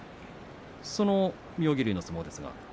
その妙義龍の相撲です。